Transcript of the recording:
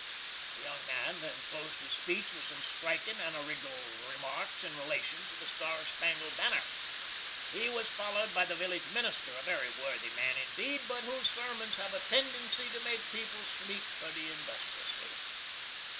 The young man then closed his speech with some strikin and orginal remarks in relation to the star spangled banner. He was followed by the village minister, a very worthy man indeed, but whose sermons have a tendency to make people sleep pretty industriously.